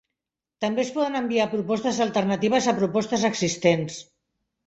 També es poden enviar propostes alternatives a propostes existents.